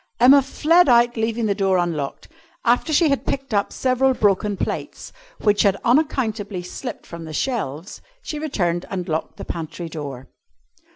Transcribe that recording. Emma fled out, leaving the door unlocked. After she had picked up several broken plates, which had unaccountably slipped from the shelves, she returned and locked the pantry door.